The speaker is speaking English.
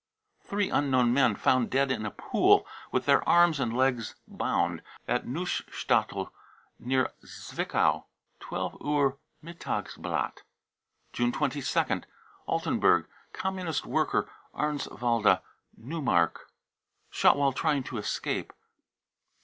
three unknown men, found dead i in a pool, with their arms and legs bound, at Neustadtel near I Zwickau. (12 Uhr Mittagsblatt.) jne 22nd. altenburg, Communist worker, Arnswalde, Neumark, I skot " while trying to escape."